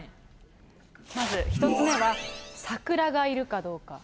まず１つ目は、サクラがいるかどうか。